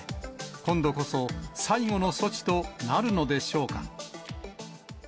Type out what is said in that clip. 今度こそ最後の措置となるのでしょうか。